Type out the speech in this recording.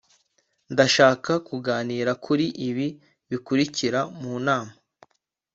ndashaka kuganira kuri ibi bikurikira mu nama